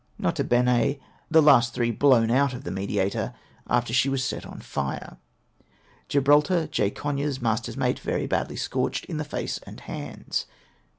N.B. The last three blown out of the Mediator after she was set on fire. Gibraltar, J, Conyers, Master's Mate ; very badly scorched in the face and hands.